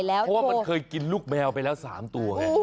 เพราะว่ามันเกิดคืนลูกแมวไปแล้ว๓ตัว